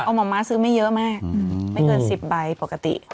เอาหมอม้าซื้อไม่เยอะมากไม่เกิน๑๐ใบปกติ